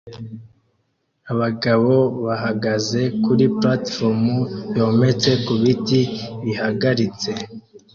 Abagabo bahagaze kuri platifomu yometse ku biti bihagaritse